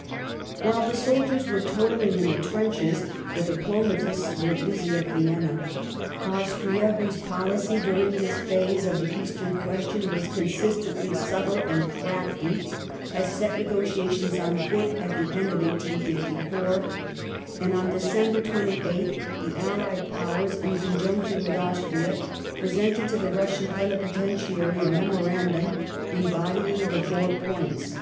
Peace ne While the soldiers were toiling in the b'enches, the diplomatists at°v1enna ^^^^^"^^^^^ Vienna. Austria, whose policy during this phase of The the Eastern question was consistently subtle and crafty, had set Points" negotiations on foot at the end of 1854, and on December 28th the allied Powers, in conjunction with Austria, presented to the Russian Plenipotentiary a Memorandum, embodying the " Four Points".